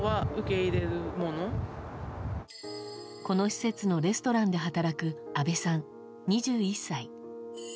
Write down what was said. この施設のレストランで働く阿部さん、２１歳。